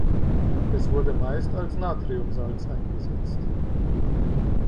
Es wurde meist als Natriumsalz eingesetzt.